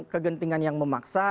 kegentingan yang memaksa